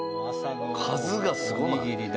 数がすごない？